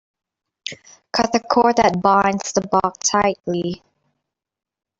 Cut the cord that binds the box tightly.